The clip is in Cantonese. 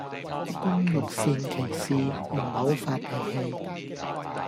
工欲善其事,唔好發脾氣